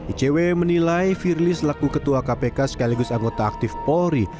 icw menilai firly selaku ketua kpk sekaligus anggota aktif polri